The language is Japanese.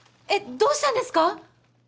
どうしたんですか？